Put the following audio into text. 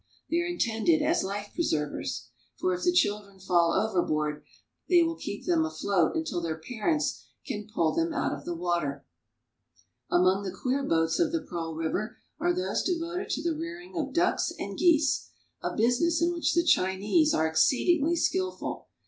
They are in tended as life preservers ; for if the children fall overboard, they will keep them afloat until their parents can pull them out of the water. Among the queer boats of the Pearl River are those devoted to the rearing of ducks and geese, a business in which the Chinese are exceedingly skillful.